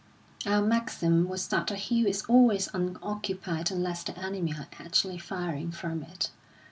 Our maxim was that a hill is always unoccupied unless the enemy are actually firing from it.